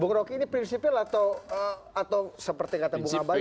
bung roky ini prinsipil atau seperti kata bung abalin